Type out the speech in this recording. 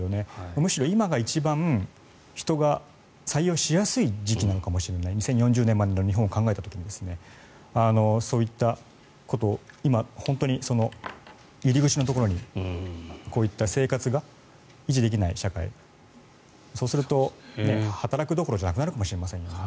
むしろ今が一番人が採用しやすい時期なのかもしれない２０４０年までの日本を考えた時にそういったこと今、本当に入り口のところにこういった生活が維持できない社会そうすると、働くどころじゃなくなるかもしれませんよね。